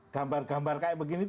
gambar gambar kayak begini